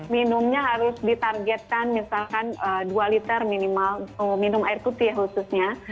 minumnya harus ditargetkan misalkan dua liter minimal minum air putih ya khususnya